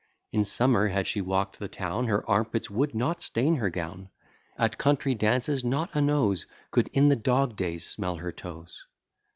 In summer had she walk'd the town, Her armpits would not stain her gown: At country dances, not a nose Could in the dog days smell her toes.